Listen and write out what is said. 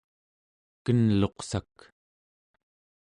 kenluqsak